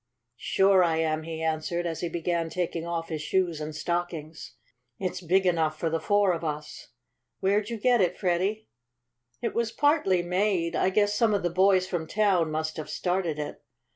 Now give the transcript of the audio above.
"Sure I am," he answered, as he began taking off his shoes and stockings. "It's big enough for the four of us. Where'd you get it, Freddie?" "It was partly made I guess some of the boys from town must have started it.